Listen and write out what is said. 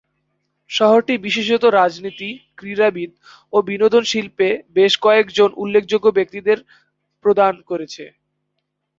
শহরটি বিশেষত রাজনীতি, ক্রীড়াবিদ ও বিনোদন শিল্পে বেশ কয়েক জন উল্লেখযোগ্য ব্যক্তিদের প্রদান করেছে।